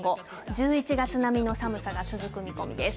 １１月並みの寒さが続く見込みです。